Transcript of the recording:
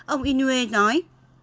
ông inoue nói